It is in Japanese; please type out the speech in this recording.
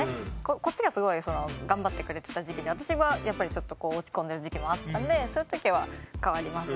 こっちがすごい頑張ってくれてた時期で私はやっぱりちょっとこう落ち込んでる時期もあったんでそういう時は変わりますし。